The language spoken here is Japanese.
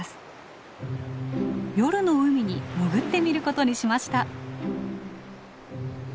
夜の海に潜ってみることにしました。